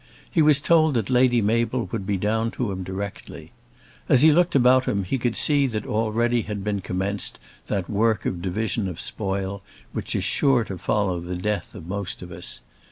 He was told that Lady Mabel would be down to him directly. As he looked about him he could see that already had been commenced that work of division of spoil which is sure to follow the death of most of us.